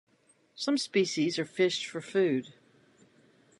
Some species are fished for food.